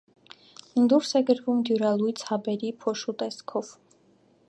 Դուրս է գրվում դյուրալույծ հաբերի, փոշու տեսքով։